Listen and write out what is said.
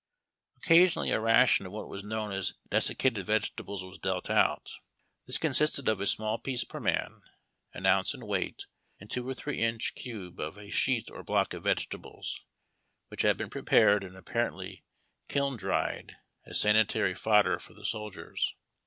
Occasionally, a ration of what was known as desiccated vegetables was dealt out. This consisted of a small piece per man, an ounce in weight and two or three inches cube of a sheet or block of vegetables, which had been prepared, and apparently kiln dried., as sanitiXYy fodder for the soldiers.